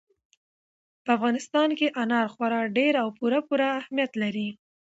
په افغانستان کې انار خورا ډېر او پوره پوره اهمیت لري.